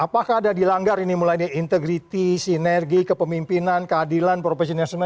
apakah ada dilanggar ini mulai dari integriti sinergi kepemimpinan keadilan profesionalisme